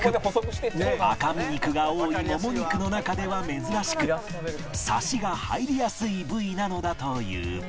赤身肉が多いモモ肉の中では珍しくサシが入りやすい部位なのだという